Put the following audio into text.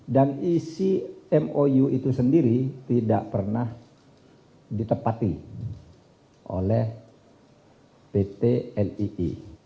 dan isi mou itu sendiri tidak pernah ditepati oleh pt lii